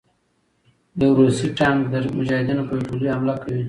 يو روسي ټېنک د مجاهدينو په يو ټولې حمله کوي